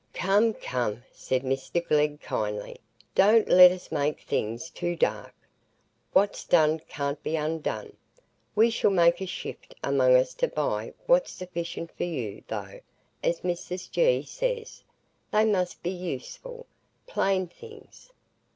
"Come, come," said Mr Glegg, kindly, "don't let us make things too dark. What's done can't be undone. We shall make a shift among us to buy what's sufficient for you; though, as Mrs G. says, they must be useful, plain things.